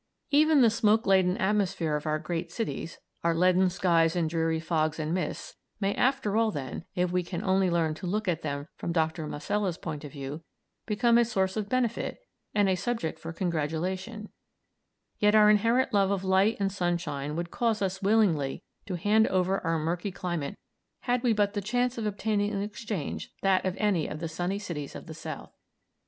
Even the smoke laden atmosphere of our great cities, our leaden skies and dreary fogs and mists, may after all, then, if we can only learn to look at them from Dr. Masella's point of view, become a source of benefit and a subject for congratulation; yet our inherent love of light and sunshine would cause us willingly to hand over our murky climate had we but the chance of obtaining in exchange that of any of the sunny cities of the south.